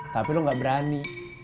tapi lo gak berani